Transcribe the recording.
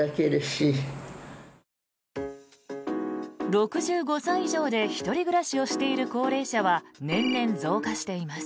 ６５歳以上で１人暮らしをしている高齢者は年々、増加しています。